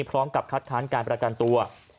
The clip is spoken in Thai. พร้อมกับคัดค้านการประกันตัว